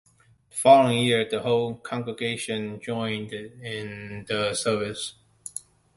The following year, the whole Congregation joined in the service.